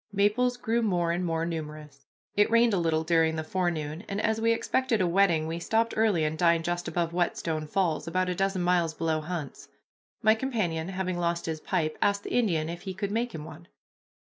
Maples grew more and more numerous. It rained a little during the forenoon, and, as we expected a wetting, we stopped early and dined just above Whetstone Falls, about a dozen miles below Hunt's. My companion, having lost his pipe, asked the Indian if he could make him one.